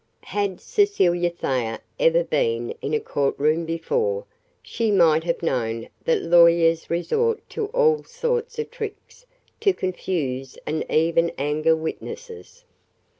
Had Cecilia Thayer ever been in a courtroom before, she might have known that lawyers resort to all sorts of tricks to confuse and even anger witnesses.